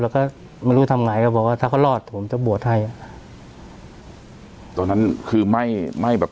แล้วก็ไม่รู้ทำไงก็บอกว่าถ้าเขารอดผมจะบวชให้อ่ะตอนนั้นคือไม่ไม่แบบ